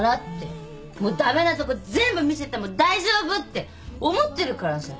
もう駄目なとこ全部見せても大丈夫って思ってるからさ。